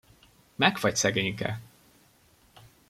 Megfagy szegényke!